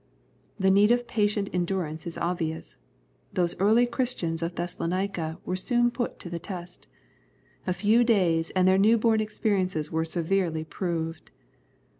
The need of patient endurance is obvious. Those early Christians of Thessalonica were soon put to the test. A few days and their new born experiences were severely proved.